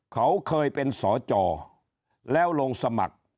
เขาเคยเป็นสจแล้วลงสมัคร